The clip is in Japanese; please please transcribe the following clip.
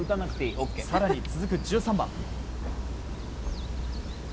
更に、続く１３番。